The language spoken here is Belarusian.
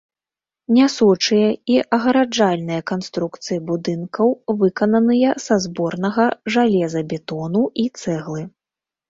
Нясучыя і агараджальныя канструкцыі будынкаў выкананыя са зборнага жалезабетону і цэглы.